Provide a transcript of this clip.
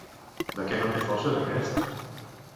De què no té forces, aquest?